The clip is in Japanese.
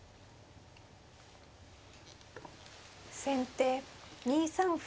先手２三歩。